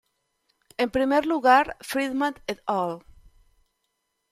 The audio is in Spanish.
En primer lugar, Freedman et al.